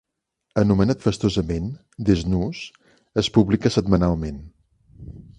Anomenat festosament "The Snooze", es publica setmanalment.